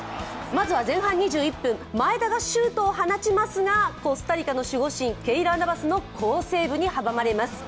まずは前半２１分、前田がシュートを放ちますがコスタリカの守護神ケイラー・ナバスの好セーブに阻まれます。